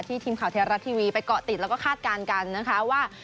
ทีมข่าวไทยรัฐทีวีไปเกาะติดแล้วก็คาดการณ์กันนะคะว่า